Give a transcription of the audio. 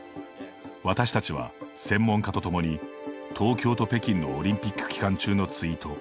私たちは専門家と共に、東京と北京のオリンピック期間中のツイート